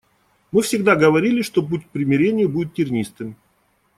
Мы всегда говорили, что путь к примирению будет тернистым.